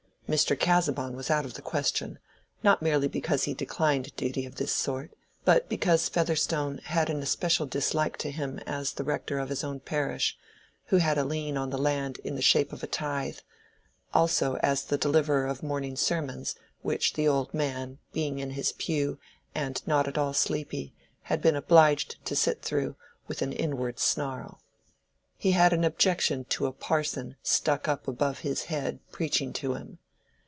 Mr. Casaubon was out of the question, not merely because he declined duty of this sort, but because Featherstone had an especial dislike to him as the rector of his own parish, who had a lien on the land in the shape of tithe, also as the deliverer of morning sermons, which the old man, being in his pew and not at all sleepy, had been obliged to sit through with an inward snarl. He had an objection to a parson stuck up above his head preaching to him.